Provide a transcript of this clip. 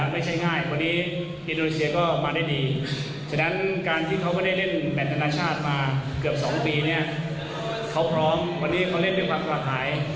ไม่ใช่ง่ายวันนี้อินโดรเซียก็ออกมาได้ดีฉะนั้นการที่เขาก็ได้เล่นแบบธนชาติมาเกือบ๒ปีเนี่ยเขาพร้อมวันนี้เขาเล่นด้วยความปลอดภัย